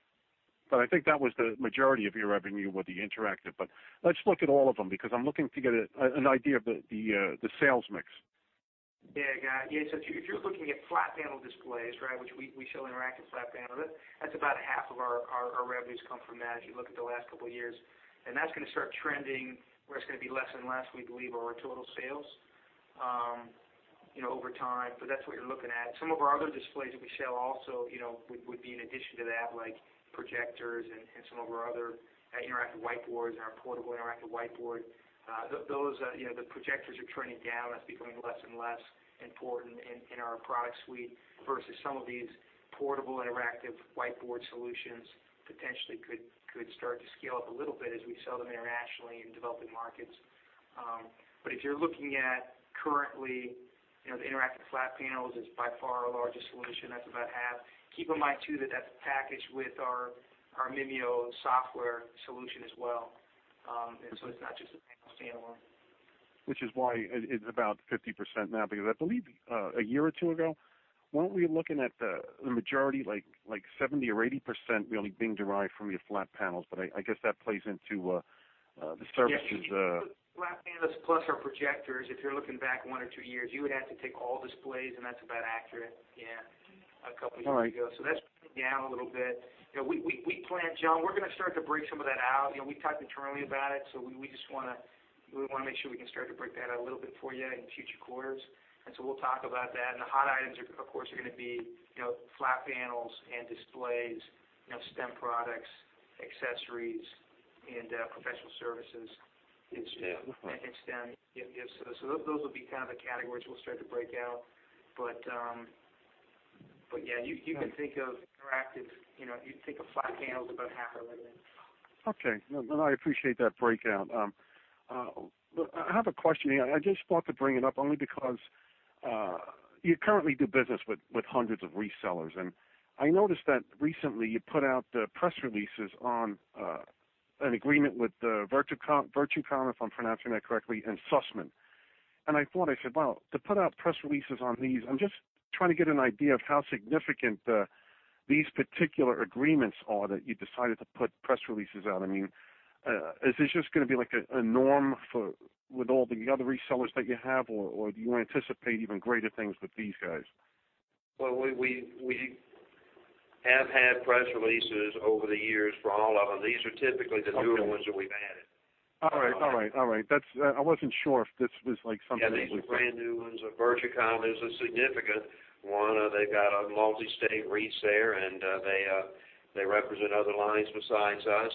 I: I think that was the majority of your revenue, were the interactive, but let's look at all of them, because I'm looking to get an idea of the sales mix.
D: Yeah, got it. If you're looking at flat panel displays, which we sell interactive flat panel, that's about 1/2 of our revenues come from that as you look at the last couple of years. That's going to start trending where it's going to be less and less, we believe, of our total sales over time, but that's what you're looking at. Some of our other displays that we sell also would be in addition to that, like projectors and some of our other interactive whiteboards and our portable interactive whiteboard. The projectors are trending down. That's becoming less and less important in our product suite versus some of these portable interactive whiteboard solutions potentially could start to scale up a little bit as we sell them internationally in developing markets. If you're looking at currently the interactive flat panels, it's by far our largest solution. That's about 1/2. Keep in mind, too, that that's packaged with our Mimio software solution as well. It's not just a panel standalone.
I: Which is why it's about 50% now, because I believe a year or two ago, weren't we looking at the majority, like 70% or 80% really being derived from your flat panels, but I guess that plays into the services?
D: Yeah. Flat panels plus our projectors, if you're looking back one or two years, you would have to take all displays, and that's about accurate, yeah, a couple of years ago.
I: All right.
D: That's down a little bit. We plan, John, we're going to start to break some of that out. We've talked internally about it, we want to make sure we can start to break that out a little bit for you in future quarters. We'll talk about that. The hot items, of course, are going to be flat panels and displays, STEM products, accessories, and professional services.
C: STEM.
D: STEM. Yeah. Those will be kind of the categories we'll start to break out. Yeah, you can think of Interactive, you'd think of Flat Panel is about half of it.
I: Okay. No, I appreciate that breakout. I have a question here. I just thought to bring it up only because you currently do business with hundreds of resellers, and I noticed that recently you put out the press releases on an agreement with Virtucom, if I'm pronouncing that correctly, and Sussman. I thought, I said, "Well, to put out press releases on these," I'm just trying to get an idea of how significant these particular agreements are that you decided to put press releases out. Is this just going to be like a norm with all the other resellers that you have, or do you anticipate even greater things with these guys?
C: We have had press releases over the years for all of them. These are typically the newer ones that we've added.
I: All right. I wasn't sure if this was like something-
C: Yeah, these are brand-new ones. Virtucom is a significant one. They've got a multi-state reach there, and they represent other lines besides us.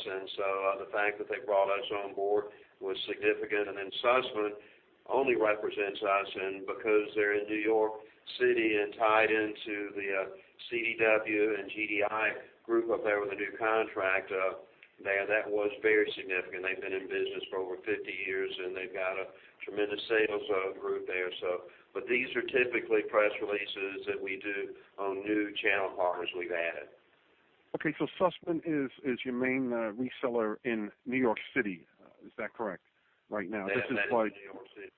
C: The fact that they brought us on board was significant. Sussman only represents us, and because they're in New York City and tied into the CDW and GDI group up there with a new contract there, that was very significant. They've been in business for over 50 years, and they've got a tremendous sales group there. These are typically press releases that we do on new channel partners we've added.
I: Okay. Sussman is your main reseller in New York City. Is that correct? Right now, this is like-
C: That is New York City.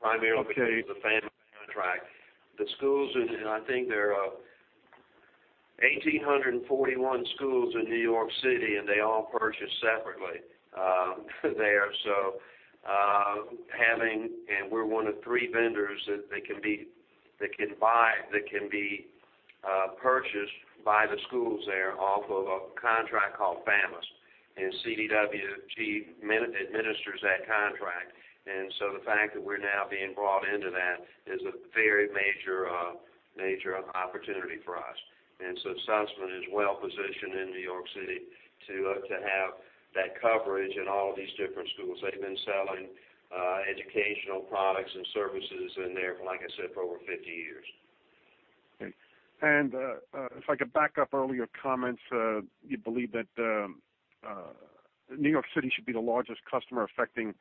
C: Primarily because of the FAMIS contract. The schools, and I think there are 1,841 schools in New York City, and they all purchase separately there. We're one of three vendors that can be purchased by the schools there off of a contract called FAMIS, and CDWG administers that contract. The fact that we're now being brought into that is a very major opportunity for us. Sussman is well-positioned in New York City to have that coverage in all of these different schools. They've been selling educational products and services in there, like I said, for over 50 years.
I: Okay. If I could back up earlier comments, you believe that New York City should be the largest customer affecting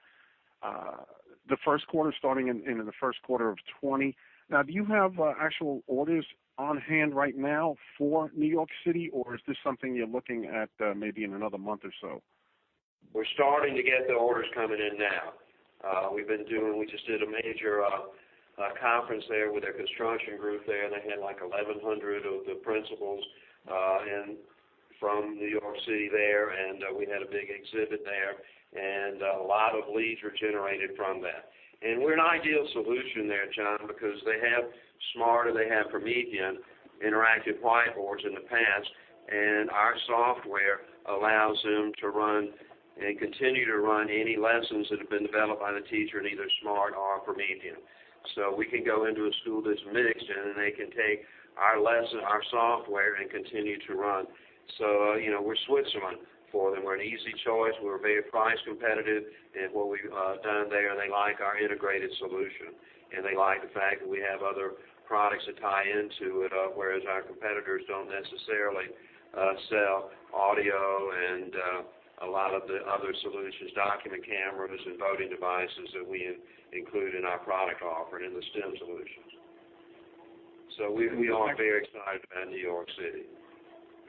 I: the first quarter, starting in the first quarter of 2020. Do you have actual orders on hand right now for New York City, or is this something you're looking at maybe in another month or so?
C: We're starting to get the orders coming in now. We just did a major conference there with their construction group there. They had like 1,100 of the principals from New York City there, and we had a big exhibit there, and a lot of leads were generated from that. We're an ideal solution there, John, because they have SMART, they have Promethean interactive whiteboards in the past, and our software allows them to run and continue to run any lessons that have been developed by the teacher in either SMART or Promethean. We can go into a school that's mixed, and they can take our lesson, our software, and continue to run. We're Switzerland for them. We're an easy choice. We're very price competitive in what we've done there. They like our integrated solution, and they like the fact that we have other products that tie into it, whereas our competitors don't necessarily sell audio and a lot of the other solutions, document cameras and voting devices that we include in our product offering in the STEM solutions. We are very excited about New York City.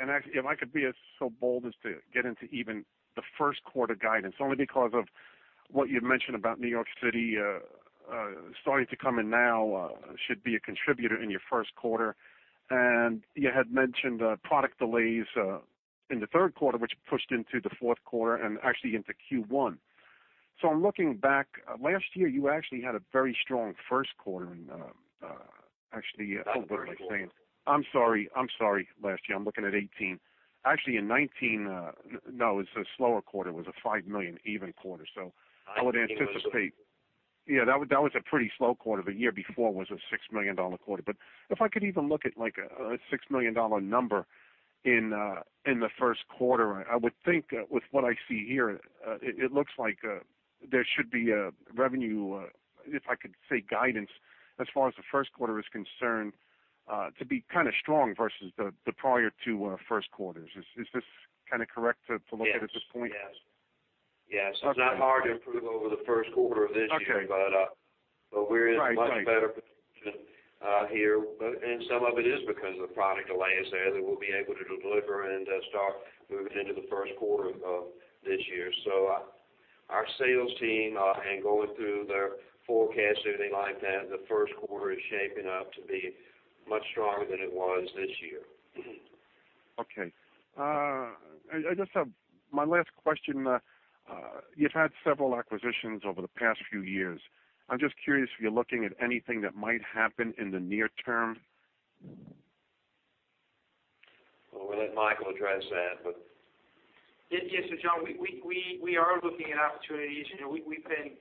I: If I could be so bold as to get into even the first quarter guidance, only because of what you mentioned about New York City starting to come in now should be a contributor in your first quarter. You had mentioned product delays in the third quarter, which pushed into the fourth quarter and actually into Q1. I'm looking back. Last year, you actually had a very strong first quarter in, I'm sorry, last year. I'm looking at 2018. In 2019, no, it's a slower quarter. It was a $5 million even quarter. Yeah, that was a pretty slow quarter. The year before was a $6 million quarter. If I could even look at like a $6 million number in the first quarter, I would think with what I see here, it looks like there should be a revenue, if I could say guidance, as far as the first quarter is concerned, to be kind of strong versus the prior two first quarters. Is this kind of correct to look at this point?
C: Yes. It's not hard to improve over the first quarter of this year.
I: Okay.
C: We're in a much better position here. Some of it is because of the product delays there that we'll be able to deliver and start moving into the first quarter of this year. Our sales team and going through their forecast, everything like that, the first quarter is shaping up to be much stronger than it was this year.
I: Okay. My last question, you've had several acquisitions over the past few years. I'm just curious if you're looking at anything that might happen in the near term.
C: Well, we'll let Michael address that but.
D: Yes, John, we are looking at opportunities. We've been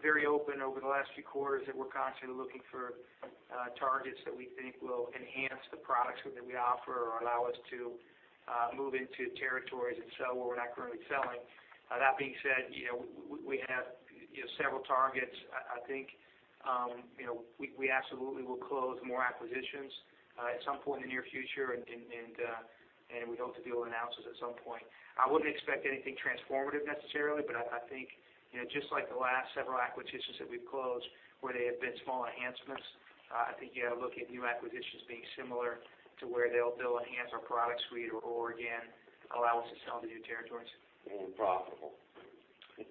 D: very open over the last few quarters that we're constantly looking for targets that we think will enhance the products that we offer or allow us to move into territories and so where we're not currently selling. That being said, we have several targets. I think we absolutely will close more acquisitions at some point in the near future, and we hope to be able to announce this at some point. I wouldn't expect anything transformative necessarily, but I think just like the last several acquisitions that we've closed where they have been small enhancements, I think you look at new acquisitions being similar to where they'll enhance our product suite or again, allow us to sell to new territories.
C: Profitable.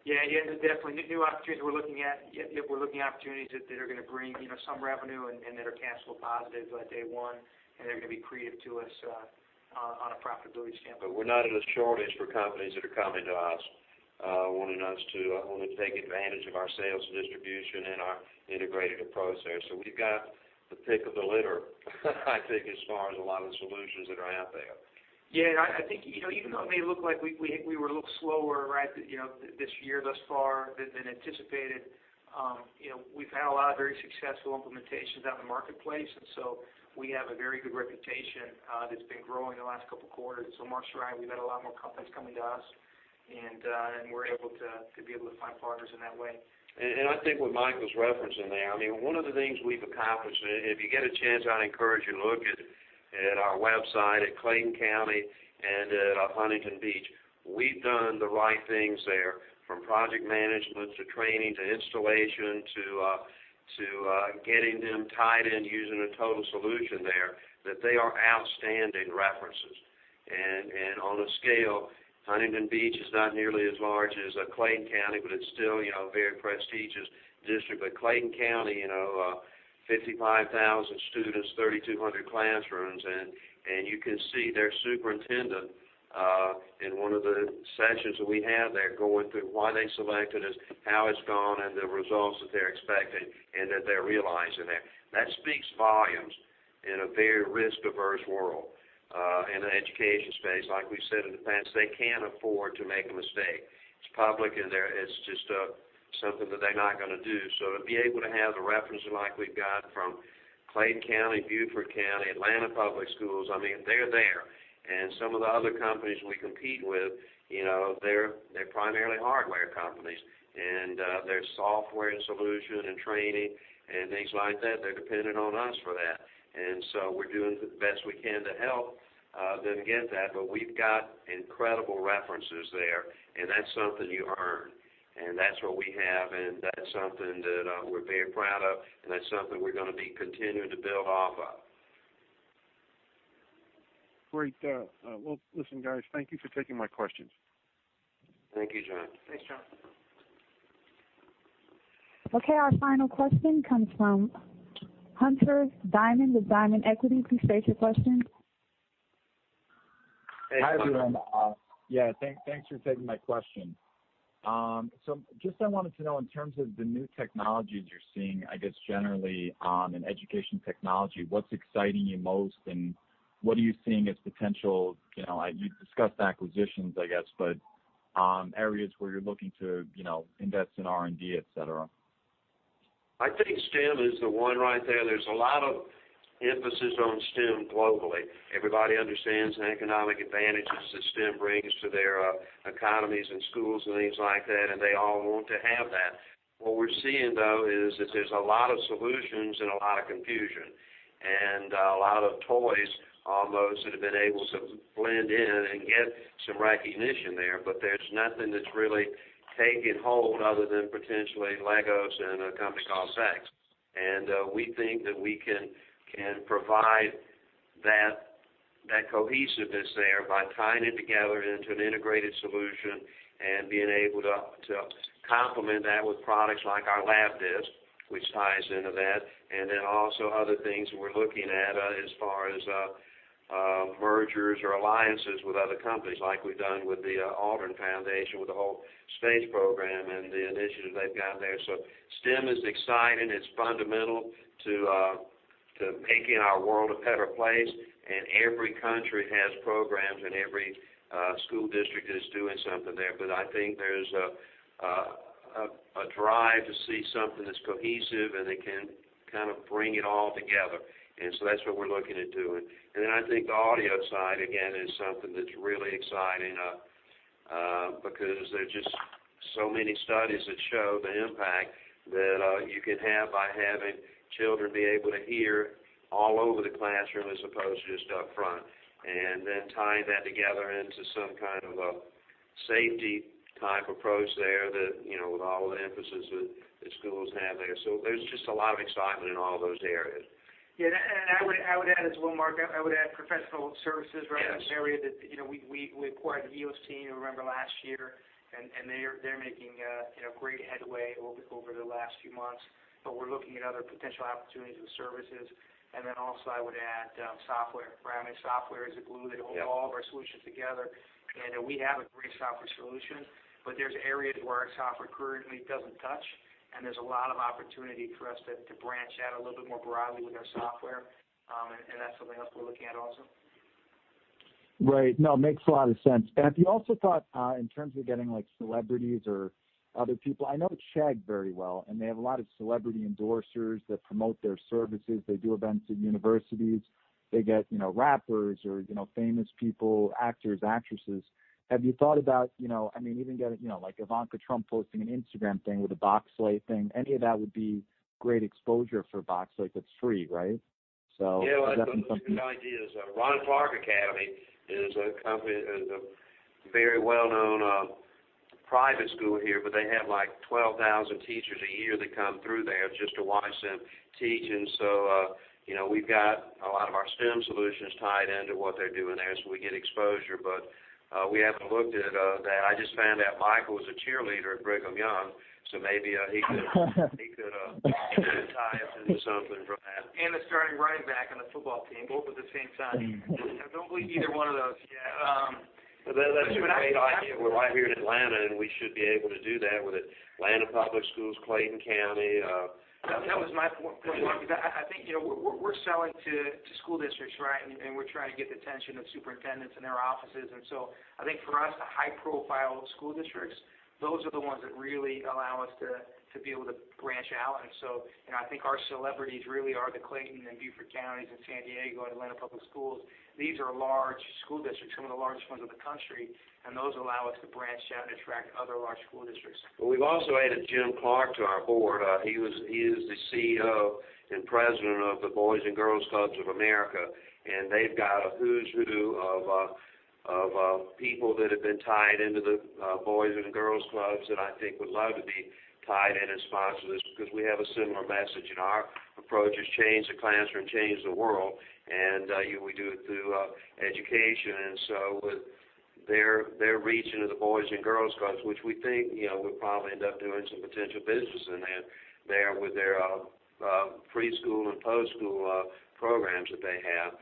D: Yeah. Definitely. New opportunities we're looking at, we're looking at opportunities that are going to bring some revenue and that are cash flow positive day one, and they're going to be accretive to us on a profitability standpoint.
C: We're not in a shortage for companies that are coming to us wanting us to take advantage of our sales distribution and our integrated approach there. We've got the pick of the litter, I think as far as a lot of the solutions that are out there.
D: Yeah, I think even though it may look like we were a little slower this year thus far than anticipated, we've had a lot of very successful implementations out in the marketplace. We have a very good reputation that's been growing the last couple of quarters. Mark's right, we've had a lot more companies coming to us, and we're able to find partners in that way.
C: I think what Mike was referencing there, one of the things we've accomplished, if you get a chance, I'd encourage you to look at our website at Clayton County and at Huntington Beach. We've done the right things there, from project management to training to installation to getting them tied in using a total solution there, that they are outstanding references. On a scale, Huntington Beach is not nearly as large as Clayton County, but it's still a very prestigious district. Clayton County, 55,000 students, 3,200 classrooms, and you can see their superintendent in one of the sessions that we have there going through why they selected us, how it's gone, and the results that they're expecting and that they're realizing there. That speaks volumes in a very risk-averse world in an education space, like we've said in the past. They can't afford to make a mistake. It's public, and it's just something that they're not going to do. To be able to have the references like we've got from Clayton County, Beaufort County, Atlanta Public Schools, they're there. Some of the other companies we compete with, they're primarily hardware companies, and their software solution and training and things like that, they're dependent on us for that. We're doing the best we can to help them get that. We've got incredible references there, and that's something you earn. That's what we have, and that's something that we're very proud of, and that's something we're going to be continuing to build off of.
I: Great. Well, listen, guys, thank you for taking my questions.
C: Thank you, John.
D: Thanks, John.
A: Okay. Our final question comes from Hunter Diamond with Diamond Equity. Please state your question.
J: Hi, everyone. Yeah. Thanks for taking my question. Just I wanted to know in terms of the new technologies you're seeing, I guess generally in education technology, what's exciting you most and what are you seeing as potential You discussed acquisitions, I guess, but areas where you're looking to invest in R&D, et cetera?
C: I think STEM is the one right there. There's a lot of emphasis on STEM globally. Everybody understands the economic advantages that STEM brings to their economies and schools and things like that, and they all want to have that. What we're seeing, though, is that there's a lot of solutions and a lot of confusion and a lot of toys, almost, that have been able to blend in and get some recognition there. There's nothing that's really taken hold other than potentially LEGO and a company called Sax. We think that we can provide that cohesiveness there by tying it together into an integrated solution and being able to complement that with products like our Labdisc, which ties into that, and then also other things that we're looking at as far as mergers or alliances with other companies, like we've done with the Aldrin Foundation, with the whole space program and the initiatives they've got there. STEM is exciting. It's fundamental to making our world a better place, and every country has programs, and every school district is doing something there. I think there's a drive to see something that's cohesive and that can kind of bring it all together. That's what we're looking at doing. I think the audio side, again, is something that's really exciting because there are just so many studies that show the impact that you can have by having children be able to hear all over the classroom as opposed to just up front, and then tying that together into some kind of a safety-type approach there that with all the emphasis that schools have there. There's just a lot of excitement in all those areas.
D: Yeah. I would add as well, Mark, I would add professional services-
C: Yes.
D: As an area that we acquired the EOS team, remember last year, and they're making great headway over the last few months. We're looking at other potential opportunities with services. Also I would add software. I mean, software is the glue that holds-
C: Yeah.
D: All of our solutions together. We have a great software solution, but there's areas where our software currently doesn't touch, and there's a lot of opportunity for us to branch out a little bit more broadly with our software. That's something else we're looking at also.
J: Right. No, makes a lot of sense. Have you also thought in terms of getting celebrities or other people? I know Chegg very well, and they have a lot of celebrity endorsers that promote their services. They do events at universities. They get rappers or famous people, actors, actresses. Have you thought about even getting Ivanka Trump posting an Instagram thing with a Boxlight thing? Any of that would be great exposure for Boxlight that's free, right?
C: Yeah, well I think that's a good idea. Ron Clark Academy is a very well-known private school here, but they have like 12,000 teachers a year that come through there just to watch them teach. We've got a lot of our STEM solutions tied into what they're doing there, so we get exposure. We haven't looked at that. I just found out Michael was a cheerleader at Brigham Young, so maybe he could tie us into something from that.
D: The starting running back on the football team, both at the same time. I don't believe either one of those, yeah.
C: That's a great idea. We're right here in Atlanta, and we should be able to do that with Atlanta Public Schools, Clayton County.
D: That was my point, Mark, because I think we're selling to school districts, right? We're trying to get the attention of superintendents and their offices. I think for us, the high-profile school districts, those are the ones that really allow us to be able to branch out. I think our celebrities really are the Clayton County and Beaufort County and San Diego and Atlanta Public Schools. These are large school districts, some of the largest ones in the country, and those allow us to branch out and attract other large school districts.
C: We've also added Jim Clark to our board. He is the CEO and president of the Boys & Girls Clubs of America, and they've got a who's who of people that have been tied into the Boys & Girls Clubs that I think would love to be tied in and sponsored us because we have a similar message. Our approach is change the classroom, change the world, and we do it through education. With their reach into the Boys & Girls Clubs, which we think we'll probably end up doing some potential business in there with their preschool and post-school programs that they have,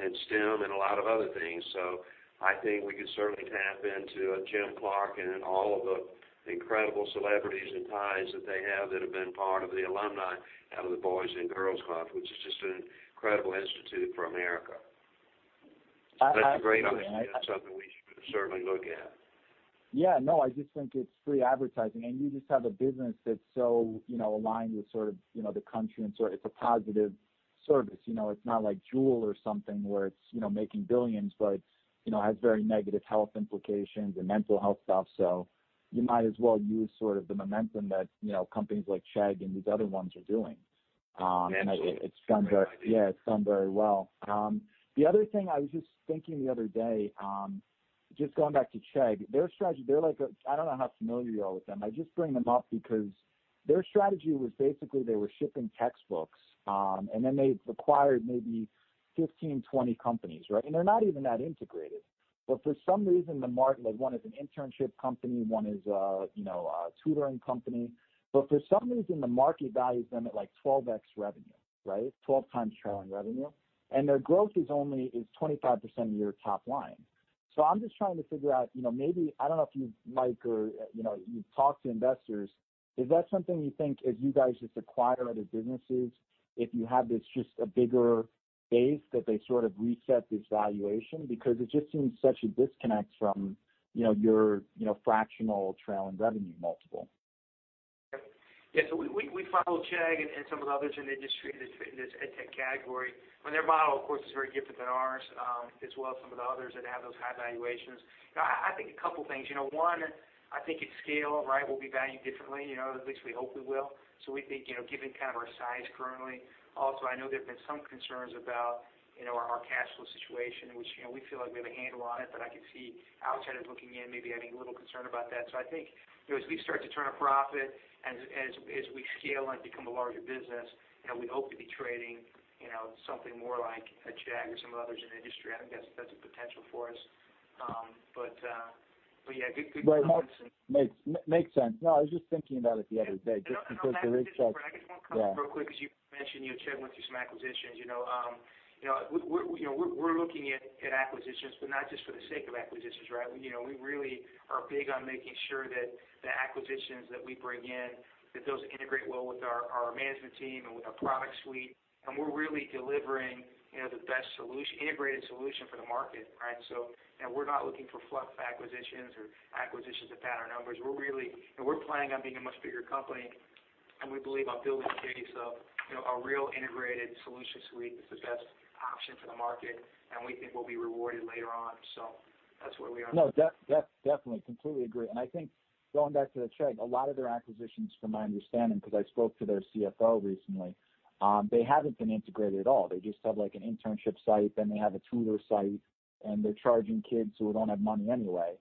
C: and STEM, and a lot of other things. I think we could certainly tap into Jim Clark and all of the incredible celebrities and ties that they have that have been part of the alumni out of the Boys & Girls Club, which is just an incredible institute for America. That's a great idea. That's something we should certainly look at.
J: No, I just think it's free advertising, and you just have a business that's so aligned with the country, and it's a positive service. It's not like Juul or something where it's making billions but has very negative health implications and mental health stuff. You might as well use the momentum that companies like Chegg and these other ones are doing.
C: Absolutely. Great idea.
J: Yeah, it's done very well. The other thing I was just thinking the other day, just going back to Chegg, their strategy I don't know how familiar you are with them. I just bring them up because their strategy was basically they were shipping textbooks, and then they acquired maybe 15, 20 companies, right? They're not even that integrated. One is an internship company, one is a tutoring company. For some reason, the market values them at like 12x revenue, right? 12x trailing revenue. Their growth is only 25% of your top line. I'm just trying to figure out, maybe, I don't know if you, Mike, or you've talked to investors. Is that something you think as you guys just acquire other businesses, if you have this just a bigger base, that they sort of reset this valuation? It just seems such a disconnect from your fractional trailing revenue multiple.
D: We follow Chegg and some of the others in the industry in this ed tech category. Their model, of course, is very different than ours, as well as some of the others that have those high valuations. I think a couple things. One, I think it's scale, right? We'll be valued differently, at least we hope we will. We think, given our size currently. Also, I know there's been some concerns about our cash flow situation, which we feel like we have a handle on it, but I could see outsiders looking in maybe having a little concern about that. I think as we start to turn a profit and as we scale and become a larger business, we hope to be trading something more like a Chegg or some of the others in the industry. I think that's a potential for us.
J: Yeah, good comments. Makes sense. No, I was just thinking about it the other day.
D: On that particular front, I just want to comment real quick, as you mentioned, Chegg went through some acquisitions. We're looking at acquisitions, but not just for the sake of acquisitions, right? We really are big on making sure that the acquisitions that we bring in, that those integrate well with our management team and with our product suite, and we're really delivering the best integrated solution for the market, right? We're not looking for fluff acquisitions or acquisitions to pad our numbers. We're planning on being a much bigger company, and we believe on building the case of a real integrated solution suite that's the best option for the market, and we think we'll be rewarded later on. That's where we are.
J: No, definitely. Completely agree. I think going back to the Chegg, a lot of their acquisitions, from my understanding, because I spoke to their CFO recently, they haven't been integrated at all. They just have an internship site, then they have a tutor site, and they're charging kids who don't have money anyway.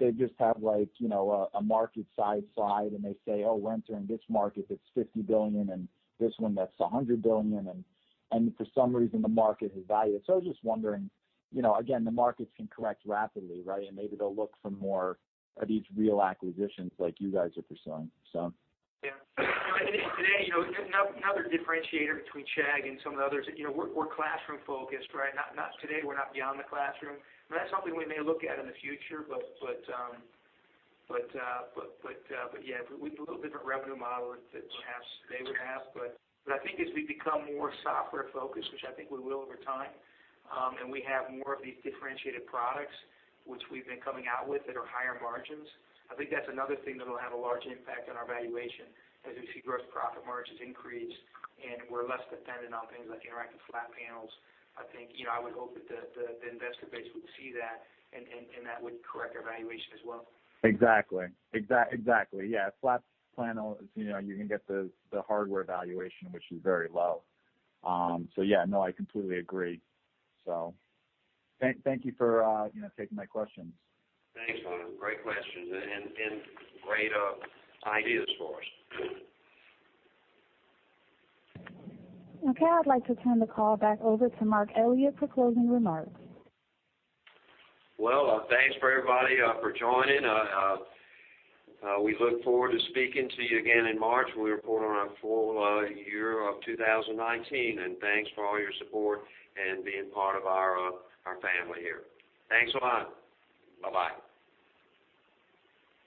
J: They just have a market side slide, and they say, "Oh, we enter in this market that's $50 billion and this one that's $100 billion," and for some reason the market has valued it. I was just wondering, again, the markets can correct rapidly, right? Maybe they'll look for more of these real acquisitions like you guys are pursuing, so.
D: Yeah. Today, another differentiator between Chegg and some of the others, we're classroom-focused, right? Today, we're not beyond the classroom. That's something we may look at in the future, yeah, we have a little different revenue model that perhaps they would have. I think as we become more software-focused, which I think we will over time, and we have more of these differentiated products which we've been coming out with that are higher margins, I think that's another thing that'll have a large impact on our valuation. As we see gross profit margins increase and we're less dependent on things like interactive flat panels, I think I would hope that the investor base would see that and that would correct our valuation as well.
J: Exactly. Yeah. Flat panel, you can get the hardware valuation, which is very low. Yeah, no, I completely agree. Thank you for taking my questions.
C: Thanks, Diamond. Great questions and great ideas for us.
A: Okay. I'd like to turn the call back over to Mark Elliott for closing remarks.
C: Well, thanks for everybody for joining. We look forward to speaking to you again in March when we report on our full year of 2019. Thanks for all your support and being part of our family here. Thanks a lot. Bye-bye.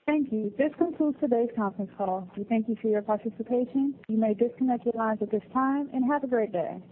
A: Thank you. This concludes today's conference call. We thank you for your participation. You may disconnect your lines at this time, and have a great day.